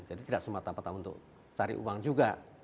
tidak semata mata untuk cari uang juga